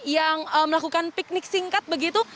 yang melakukan piknik singkat begitu